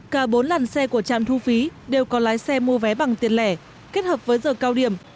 cả bốn làn xe của trạm thu phí đều có lái xe mua vé bằng tiền lẻ kết hợp với giờ cao điểm